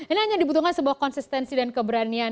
ini hanya dibutuhkan sebuah konsistensi dan keberanian